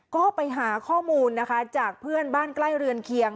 ก็ไปหาข้อมูลนะคะจากเพื่อนบ้านใกล้เรือนเคียง